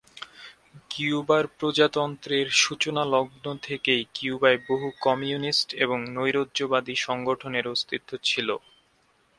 কিউবার প্রজাতন্ত্রের সূচনালগ্ন থেকেই কিউবায় বহু কমিউনিস্ট এবং নৈরাজ্যবাদী সংগঠনের অস্তিত্ব ছিল।